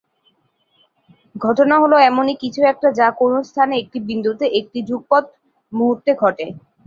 ঘটনা হল এমনই কিছু একটা যা কোন স্থানে একটি বিন্দুতে একটি যুগপৎ মুহূর্তে ঘটে।